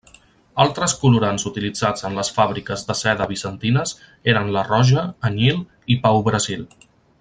Altres colorants utilitzats en les fàbriques de seda bizantines eren la roja, anyil, i pau-brasil.